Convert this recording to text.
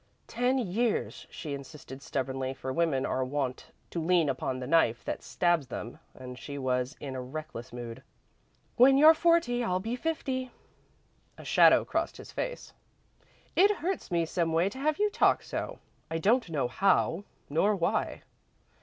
"Ten years," she insisted stubbornly, for women are wont to lean upon the knife that stabs them and she was in a reckless mood. "When you're forty, I'll be fifty." A shadow crossed his face. "It hurts me, someway, to have you talk so. I don't know how nor why."